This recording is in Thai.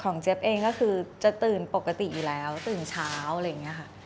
เจี๊ยบเองก็คือจะตื่นปกติอยู่แล้วตื่นเช้าอะไรอย่างนี้ค่ะ